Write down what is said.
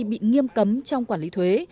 bị nghiêm cấm trong quản lý thuế